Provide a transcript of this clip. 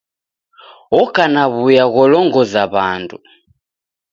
Oko na w'uya gholongoza w'andu.